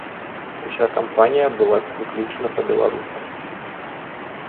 Уся кампанія была выключна па-беларуску.